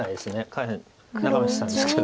下辺眺めてたんですけど。